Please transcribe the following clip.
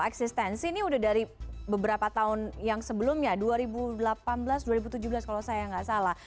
eksistensi ini udah dari beberapa tahun yang sebelumnya dua ribu delapan belas dua ribu tujuh belas kalau saya nggak salah